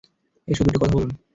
এসে দুটো কথা বলুন।